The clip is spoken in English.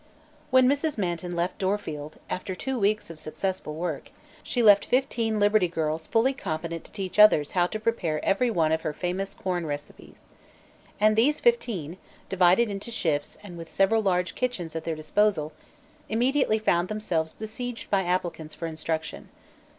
When Mrs. Manton left Dorfield, after two weeks of successful work, she left fifteen Liberty Girls fully competent to teach others how to prepare every one of her famous corn recipes. And these fifteen, divided into "shifts" and with several large kitchens at their disposal, immediately found themselves besieged by applicants for instruction.